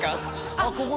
あっここ？